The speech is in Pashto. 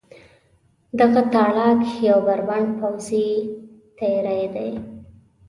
دغه تاړاک یو بربنډ پوځي تېری دی.